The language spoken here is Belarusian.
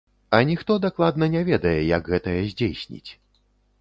Аніхто дакладна не ведае, як гэтае здзейсніць.